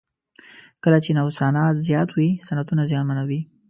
کله چې نوسانات زیات وي صنعتونه زیانمنوي.